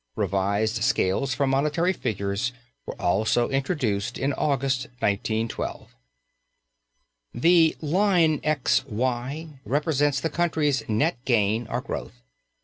Revised scales for monetary figures were also introduced, in August, 1912.) The line X Y represents the country's net gain or growth.